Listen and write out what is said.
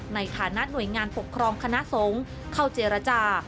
ในฐานะหน่วยงานปกครองคณะสงฆ์เข้าเจรจา